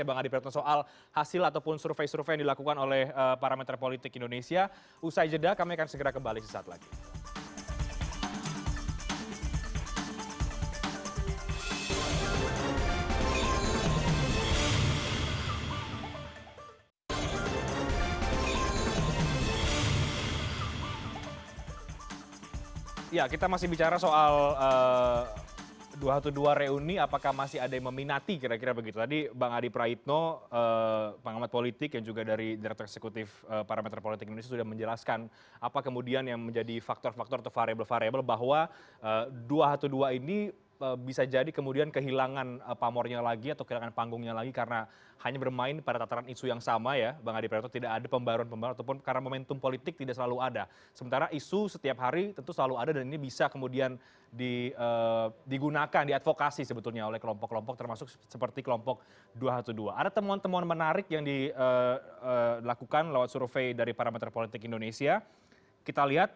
nanti kita bahas ya bang adi pratoto soal hasil ataupun survei survei yang dilakukan oleh para metra politik indonesia